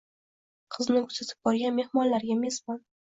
Qizni kuzatib borgan mehmonlarga mezbon